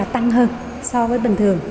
tăng hơn so với bình thường